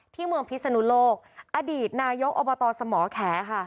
เมืองพิศนุโลกอดีตนายกอบตสมแขค่ะ